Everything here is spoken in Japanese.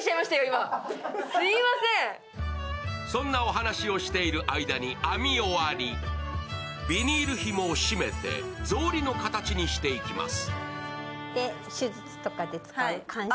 そんなお話をしている間に編み終わり、ビニールひもを締めてぞうりの形にしていきます。